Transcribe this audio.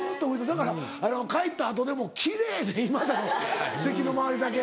だから帰った後でも奇麗で今田の席の周りだけ。